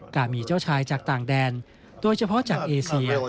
การมีเจ้าชายจากต่างแดนโดยเฉพาะจากเอเซีย